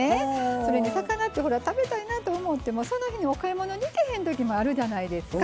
それに魚ってほら食べたいなと思ってもその日にお買い物に行けへん時もあるじゃないですか。